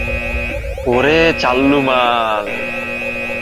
ওরে চাল্লু মাল!